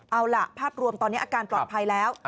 เอาล่ะภาพรวมตอนนี้อาการปลอดภัยแล้ว